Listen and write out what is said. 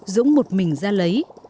dũng một mình ra lấy